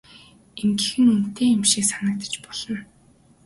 Ингэх нь үнэтэй юм шиг санагдаж болно.